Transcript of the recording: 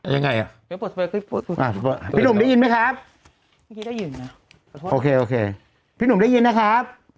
ยังไงอ่ะพี่หนุ่มได้ยินไหมครับได้ยินนะโอเคโอเคพี่หนุ่มได้ยินนะครับ